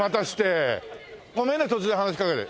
ごめんね突然話しかけて。